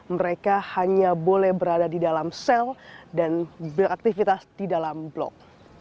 mereka hanya boleh berada di dalam sel dan beraktivitas di dalam blok